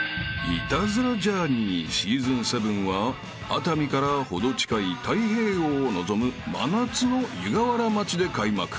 ［『イタズラ×ジャーニー』シーズン７は熱海から程近い太平洋を臨む真夏の湯河原町で開幕］